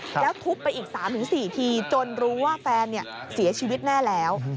แล้วทุบไปอีก๓๔ทีจนรู้ว่าแฟนเสียชีวิตแน่แล้ว